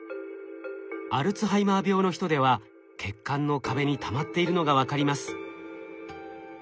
アルツハイマー病の人では血管の壁にたまっているのが分かります。